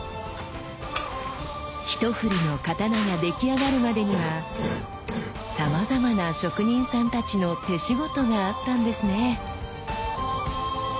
ひとふりの刀が出来上がるまでにはさまざまな職人さんたちの手仕事があったんですね。